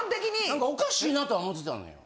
何かおかしいなとは思てたのよ。